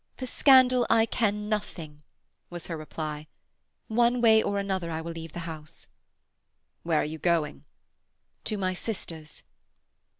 "For scandal I care nothing," was her reply. "One way or another I will leave the house." "Where are you going?" "To my sister's."